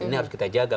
ini harus kita jaga